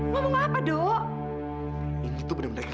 kamu itu baru sadar